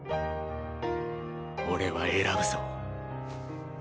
俺は選ぶぞ。